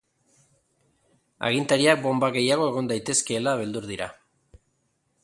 Agintariak bonba gehiago egon daitezkeela beldur dira.